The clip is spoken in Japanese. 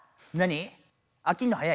何？